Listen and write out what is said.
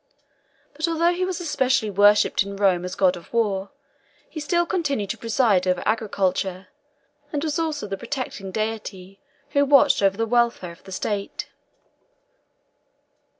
But although he was especially worshipped in Rome as god of war, he still continued to preside over agriculture, and was also the protecting deity who watched over the welfare of the state.